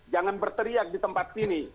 jangan berteriak di tempat sini